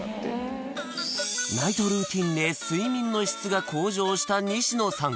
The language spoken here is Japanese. ナイトルーティンで睡眠の質が向上した西野さん